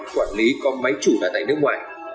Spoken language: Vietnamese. quản lý con máy chủ đã tại nước ngoài